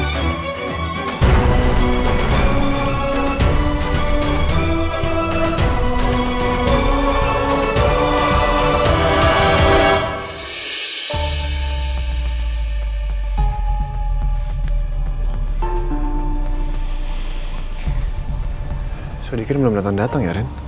hai sudah dikirim datang datang ya ren